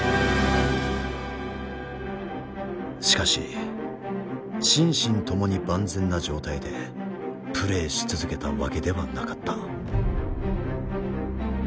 しかし心身ともに万全な状態でプレーし続けたわけではなかった。